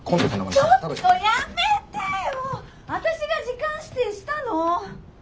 ちょっとやめてよ！あたしが時間指定したの。